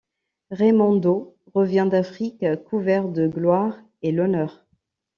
Raimondo revient d'Afrique couvert de gloire et l'honneur.